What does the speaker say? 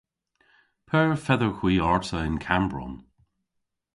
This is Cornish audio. P'eur fedhowgh hwi arta yn Kammbronn?